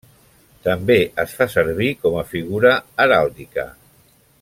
També es fa servir com a figura heràldica.